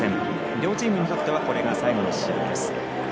両チームにとってはこれが最後の試合です。